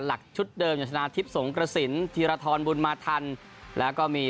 หลักชุดเดิมอย่างชนะทิพย์สงกระสินธีรทรบุญมาทันแล้วก็มี